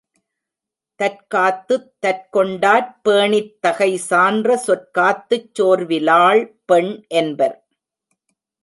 தற்காத்துக் தற்கொண்டாற் பேணித் தகைசான்ற சொற்காத்துச் சோர்விலாள் பெண் என்பர்.